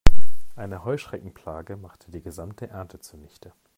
Eine Heuschreckenplage machte die gesamte Ernte zunichte.